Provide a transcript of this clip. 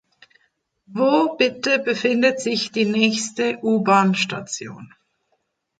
Wo bitte befindet sich die nächste U-Bahnstation?